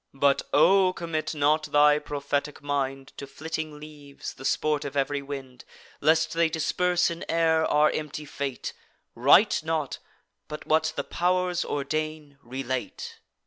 But O! commit not thy prophetic mind To flitting leaves, the sport of ev'ry wind, Lest they disperse in air our empty fate; Write not, but, what the pow'rs ordain, relate."